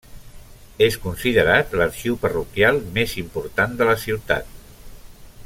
És considerat l'arxiu parroquial més important de la ciutat.